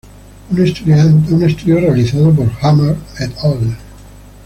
Un estudio realizado por "Hummer, et al.